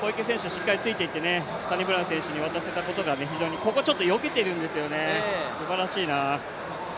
しっかりついていってサニブラウン選手に渡せたことが非常に、ここ、ちょっとよけてるんですよね、すばらしいな。